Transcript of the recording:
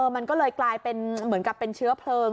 มันก็เลยกลายเป็นเหมือนกับเป็นเชื้อเพลิง